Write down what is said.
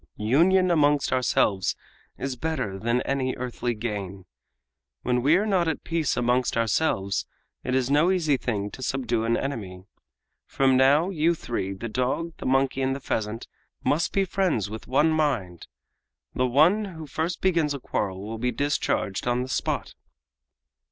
Union amongst ourselves is better than any earthly gain. When we are not at peace amongst ourselves it is no easy thing to subdue an enemy. From now, you three, the dog, the monkey and the pheasant, must be friends with one mind. The one who first begins a quarrel will be discharged on the spot!"